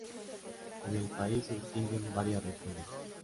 En el país se distinguen varias regiones.